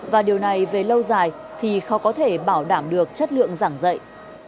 và điều này về lâu dài thì khó có thể bảo đảm được chất lượng giảng dạy